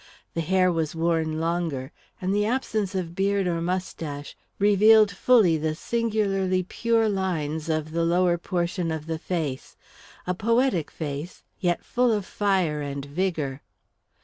The hair was worn longer and the absence of beard or moustache revealed fully the singularly pure lines of the lower portion of the face a poetic face, yet full of fire and vigour.